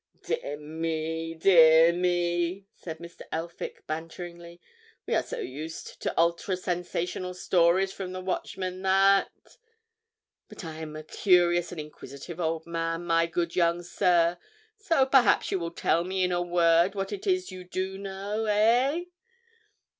"Dear me—dear me!" said Mr. Elphick, banteringly. "We are so used to ultra sensational stories from the Watchman that—but I am a curious and inquisitive old man, my good young sir, so perhaps you will tell me in a word what it is you do know, eh?"